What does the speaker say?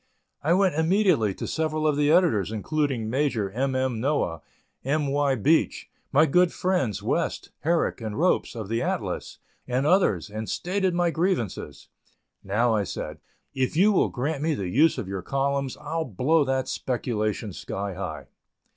I went immediately to several of the editors, including Major M. M. Noah, M. Y. Beach, my good friends West, Herrick and Ropes, of the Atlas, and others, and stated my grievances. "Now," said I, "if you will grant me the use of your columns, I'll blow that speculation sky high."